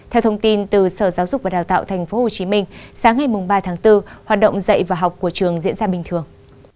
theo thông tin từ sở giáo dục và đào tạo tp hcm sáng ngày ba tháng bốn hoạt động dạy và học của trường diễn ra bình thường